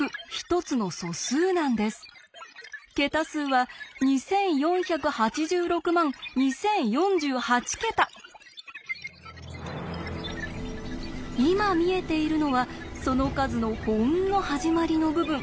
桁数は今見えているのはその数のほんの始まりの部分。